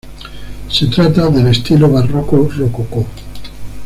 Se trata del estilo barroco-rococó.